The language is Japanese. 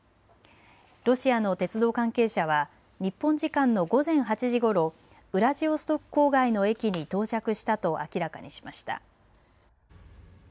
ロシアの鉄道関係者は日本時間の午前８時ごろ、ウラジオストク郊外の駅に到着したと明らかにしました。